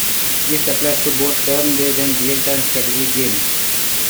This applies to both turn-based and real-time strategy games.